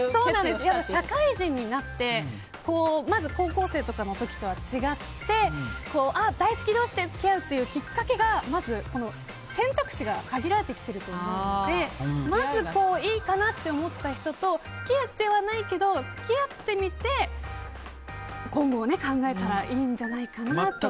社会人になってまず高校生の時とは違って大好き同士で付き合うっていうきっかけがまず選択肢が限られてきてると思うのでまずいいかなって思った人と好き合ってはないけど付き合ってみて今後を考えたらいいかなと。